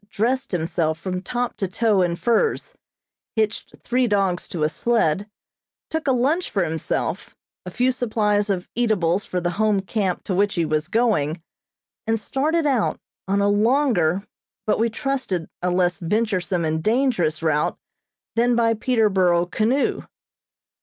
dressed himself from top to toe in furs, hitched three dogs to a sled, took a lunch for himself, a few supplies of eatables for the Home camp to which he was going, and started out, on a longer, but we trusted a less venturesome and dangerous route than by Peterborough canoe.